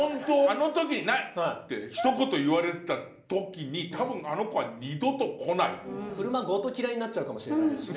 あの時「ない！」ってひと言言われた時に多分車ごと嫌いになっちゃうかもしれないですしね。